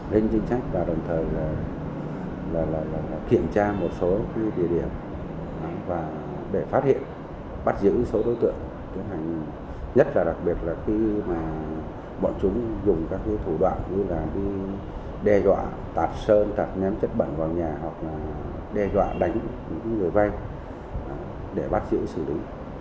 đặc biệt là khi bọn chúng dùng các thủ đoạn như đe dọa tạt sơn tạt ném chất bẩn vào nhà hoặc đe dọa đánh người vai để bắt giữ xử lý